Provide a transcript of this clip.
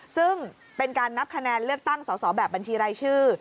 ซึ่งเป็นการนับคะแนนเลือกตั้งสอสอแบบบัญชีรายชื่อ